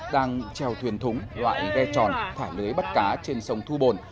đang treo thuyền thúng loại ghe tròn thả lưới bắt cá trên sông thu bồn